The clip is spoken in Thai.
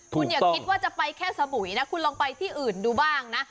คุณอย่าคิดว่าจะไปแค่สมุยนะคุณลองไปที่อื่นดูบ้างนะ